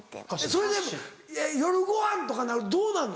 それで夜ごはんとかなるとどうなんの？